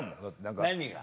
何が？